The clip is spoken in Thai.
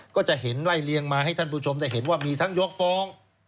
ก็จะเห็นไล่เลียงมาให้ท่านผู้ชมได้เห็นว่ามีทั้งยกฟ้อง